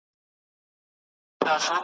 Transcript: منبرونه یې نیولي جاهلانو .